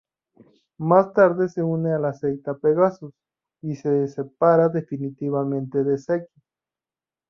Más tarde se une a la secta Pegasus, y se separa definitivamente de Seki.